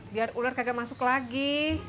biar ular kagak masuk lagi